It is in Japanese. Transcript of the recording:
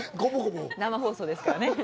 生放送ですからね。